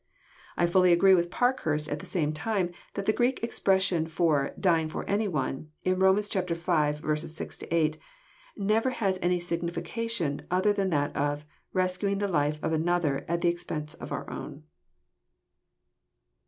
I ftiUy agree with Parkhurst, at the same time, that the Greek expression for " dying for any one," in Rom. v. 6 — 8, never has any signification other than that of" rescuing the life of another at the expense of our own."